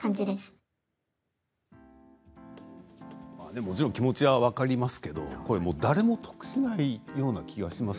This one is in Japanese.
もちろん気持ちは分かりますけれどこれは誰も得しないような気がします。